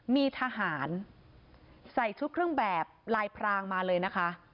มีทหารใส่ชุดเครื่องแบบลายพรางมาเลยนะคะ